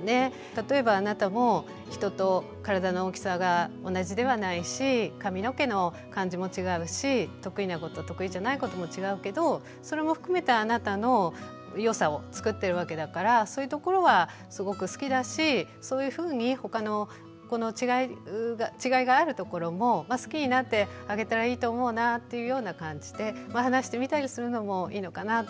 例えばあなたも人と体の大きさが同じではないし髪の毛の感じも違うし得意なこと得意じゃないことも違うけどそれも含めてあなたの良さをつくってるわけだからそういうところはすごく好きだしそういうふうに他の子の違いがあるところも好きになってあげたらいいと思うなっていうような感じで話してみたりするのもいいのかなと思います。